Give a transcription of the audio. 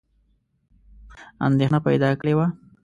اندېښنه پیدا کړې وه.